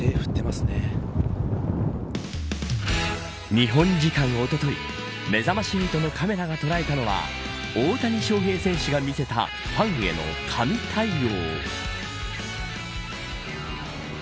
日本時間おとといめざまし８のカメラが捉えたのは大谷翔平選手が見せたファンへの神対応。